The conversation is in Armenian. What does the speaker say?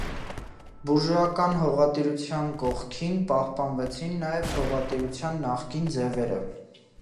Բուրժուական հողատիրության կողքին պահպանվեցին նաև հողատիրության նախկին ձևերը։